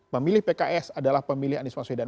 memilih pks adalah pemilih anies maswedan